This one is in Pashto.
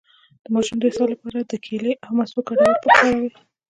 د ماشوم د اسهال لپاره د کیلې او مستو ګډول وکاروئ